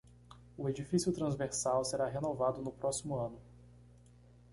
O edifício transversal será renovado no próximo ano